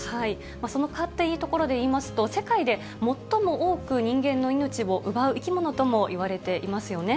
その蚊っていうところでいいますと、世界で最も多く人間の命を奪う生き物ともいわれていますよね。